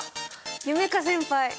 夢叶先輩！